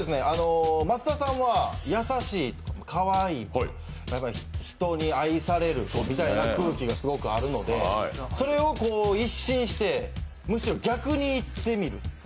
増田さんは優しい、かわいい人に愛されるみたいな空気がすごくあるのでそれを一新して、むしろ逆にいってみる。